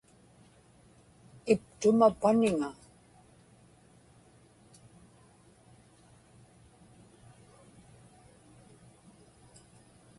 iptuma paniŋa